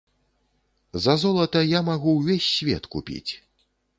За золата я магу ўвесь свет купіць.